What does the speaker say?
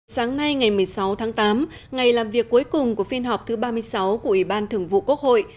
sáng nay ngày một mươi sáu tháng tám ngày làm việc cuối cùng của phiên họp thứ ba mươi sáu của ủy ban thường vụ quốc hội